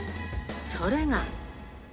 それが。